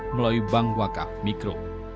melalui bank wakaf mikro